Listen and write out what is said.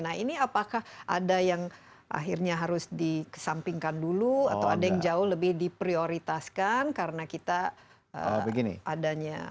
nah ini apakah ada yang akhirnya harus dikesampingkan dulu atau ada yang jauh lebih diprioritaskan karena kita adanya